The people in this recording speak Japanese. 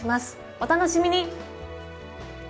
お楽しみに！